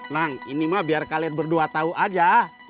nang ini mah biar kalian berdua tahu aja